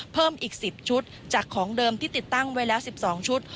เพิ่มอีก๑๐ชุดจากของเดิมที่ติดตั้งไว้แล้ว๑๒ชุด